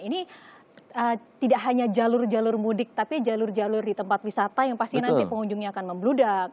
ini tidak hanya jalur jalur mudik tapi jalur jalur di tempat wisata yang pasti nanti pengunjungnya akan membludak